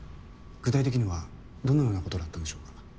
具体的にはどのようなことだったんでしょうか？